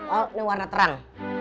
oh ini warna terang